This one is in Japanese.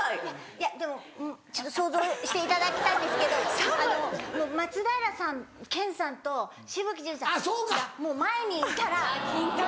いやでも想像していただきたいんですけど松平さん健さんと紫吹淳さんが前にいたらもう。